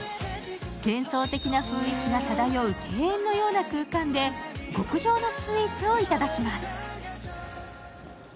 幻想的な雰囲気が漂う庭園のような空間で極上のスイーツをいただきます。